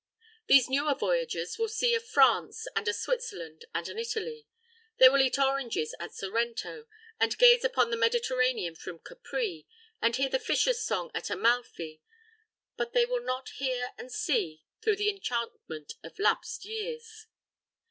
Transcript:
These newer voyagers will see a France and a Switzerland and an Italy; they will eat oranges at Sorrento, and gaze upon the Mediterranean from Capri, and hear the fisher's song at Amalfi: but they will not hear and see through the enchantment of lapsed years.